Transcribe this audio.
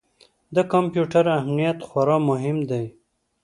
د کمپیوټر امنیت خورا مهم دی.